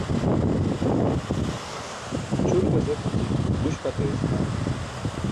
Ćʰurkas epaći buś pʰat aye senaaan.